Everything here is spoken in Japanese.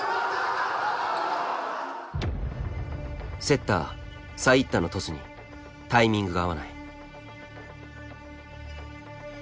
セッターサイッタのトスにタイミングが合わない。